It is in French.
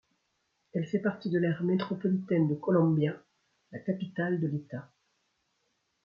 Elle fait partie de l'aire métropolitaine de Columbia, la capitale de l'État.